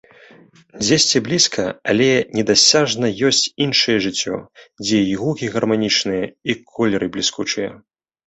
Дзесьці блізка, але недасяжна ёсць іншае жыццё, дзе і гукі гарманічныя, і колеры бліскучыя.